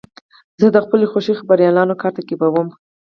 زه د خپلو خوښې خبریالانو کار تعقیبوم.